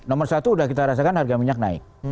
nomor satu sudah kita rasakan harga minyak naik